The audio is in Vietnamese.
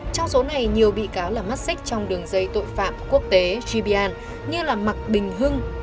trong số này nhiều bị cáo là mắt xích trong đường dây tội phạm quốc tế gb như là mặc bình hưng